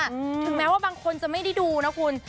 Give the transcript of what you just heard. ถึงแม้ว่าบางคนจะไม่ได้ดูนะคุณ